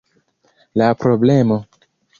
La problemo.